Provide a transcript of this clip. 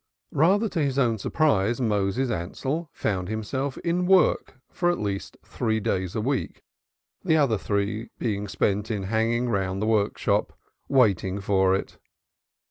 Rather to his own surprise Moses Ansell found himself in work at least three days a week, the other three being spent in hanging round the workshop waiting for it.